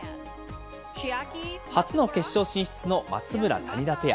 初の決勝進出の松村・谷田ペア。